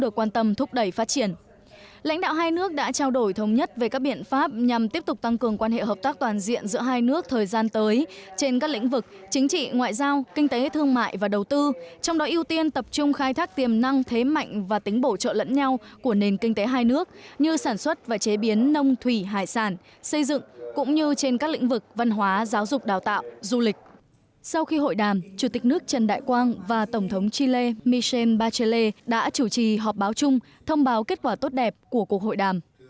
sau khi hội đàm chủ tịch nước trần đại quang và tổng thống chile michel bachelet đã chủ trì họp báo chung thông báo kết quả tốt đẹp của cuộc hội đàm